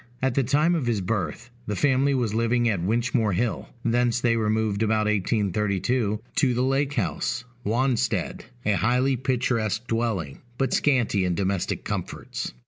At the time of his birth, the family was living at Winchmore Hill: thence they removed about 1832, to the Lake House, Wanstead, a highly picturesque dwelling, but scanty in domestic comforts.